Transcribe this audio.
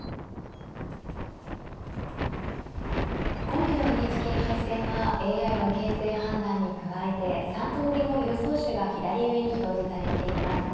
今期のＮＨＫ杯戦はＡＩの形勢判断に加えて３通りの予想手が左上に表示されています。